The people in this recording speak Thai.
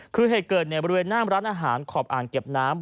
คือเหตุเกิดในบริเวณหน้ามร้านอาหารขอบอ่างเก็บน้ำ